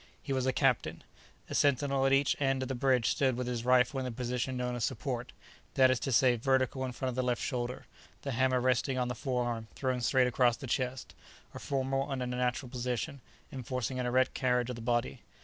He was a captain. A sentinel at each end of the bridge stood with his rifle in the position known as "support," that is to say, vertical in front of the left shoulder, the hammer resting on the forearm thrown straight across the chest—a formal and unnatural position, enforcing an erect carriage of the body.